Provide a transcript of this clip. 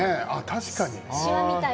確かに。